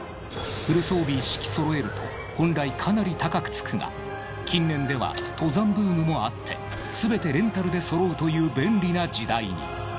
フル装備一式揃えると本来かなり高くつくが近年では登山ブームもあってすべてレンタルで揃うという便利な時代に。